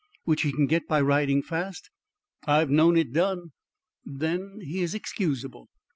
"Which he can get by riding fast?" "I've known it done!" "Then he is excusable."